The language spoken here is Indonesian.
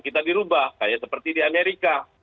kita dirubah kayak seperti di amerika